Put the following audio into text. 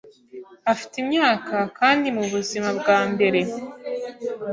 Afite imyaka kandi mubuzima bwambere.